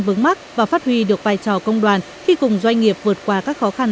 vướng mắt và phát huy được vai trò công đoàn khi cùng doanh nghiệp vượt qua các khó khăn